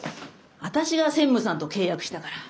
私が専務さんと契約したから。